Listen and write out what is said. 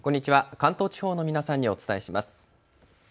関東地方の皆さんにお伝えします。